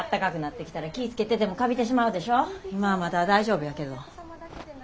今はまだ大丈夫やけど。